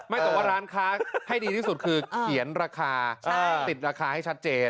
แต่ว่าร้านค้าให้ดีที่สุดคือเขียนราคาติดราคาให้ชัดเจน